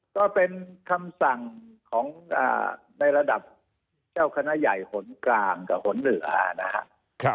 ก็เป็นคำสั่งของในระดับเจ้าคณะใหญ่หนกลางกับหนเหนือนะครับ